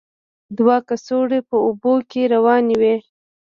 دوه کڅوړې په اوبو کې روانې وې.